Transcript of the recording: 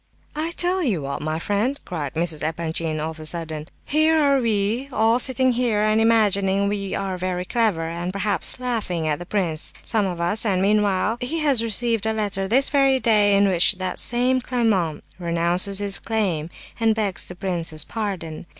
"I'll tell you what, my friend," cried Mrs. Epanchin, of a sudden, "here are we all sitting here and imagining we are very clever, and perhaps laughing at the prince, some of us, and meanwhile he has received a letter this very day in which that same claimant renounces his claim, and begs the prince's pardon.